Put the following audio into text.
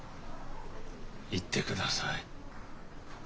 行ってください。